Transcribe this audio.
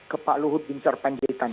ke pak luhut bin syar panjaitan